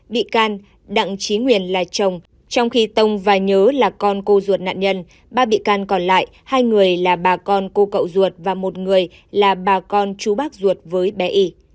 bị can đặng trí nguyên là chồng trong khi tông và nhớ là con cô ruột nạn nhân ba bị can còn lại hai người là bà con cô cậu ruột và một người là bà con chú bác ruột với bé y